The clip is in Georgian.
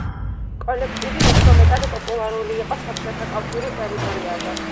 კოლექტივი უფრო მეტად პოპულარული იყო საბჭოთა კავშირის ტერიტორიაზე.